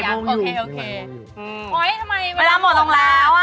โอเคโอเคทำไมเวลาหมดลงแล้ว